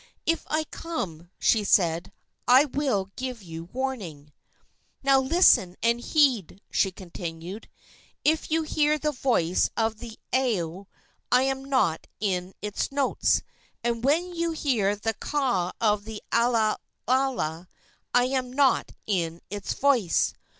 "If I come," she said, "I will give you warning." "Now, listen and heed," she continued. "If you hear the voice of the ao I am not in its notes, and when you hear the caw of the alala I am not in its voice.